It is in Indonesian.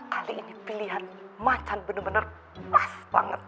kali ini pilihan macan bener bener pas banget